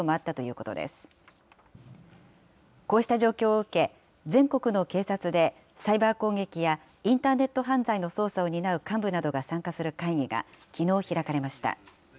こうした状況を受け、全国の警察でサイバー攻撃やインターネット犯罪の捜査を担う幹部などが参加する会議がきのう開かれました。